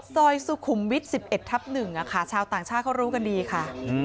ซอยสุขุมวิทย์๑๑ทับ๑ชาวต่างชาติเขารู้กันดีค่ะ